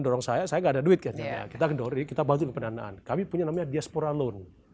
dorong saya saya enggak ada duit kita gendori kita bantu pendanaan kami punya namanya diaspora loan